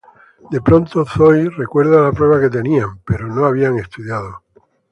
De pronto Zoey recuerda la prueba que tenían, pero no habían estudiado.